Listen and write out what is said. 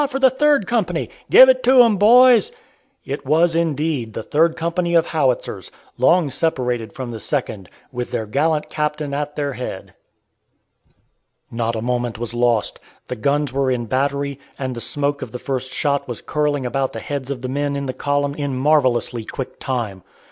for the Third Company! Give it to 'em, boys!" It was, indeed, the Third Company of Howitzers, long separated from the Second, with their gallant captain at their head! Not a moment was lost. The guns were in battery, and the smoke of the first shot was curling about the heads of the men in the column in marvelously quick time.